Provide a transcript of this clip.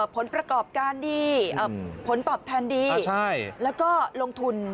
ผลประกอบการดีผลตอบแทนดีแล้วก็ลงทุน